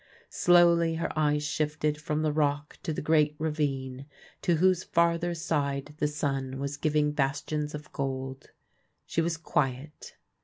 Slowly her eyes shifted from the Rock to the great ravine, to whose farther side the sun was giving bastions of gold. She was quiet.